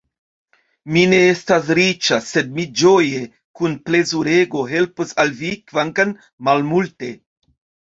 Mi ne estas riĉa, sed mi ĝoje, kun plezurego helpos al vi kvankam malmulte.